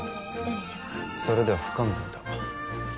それでは不完全だ。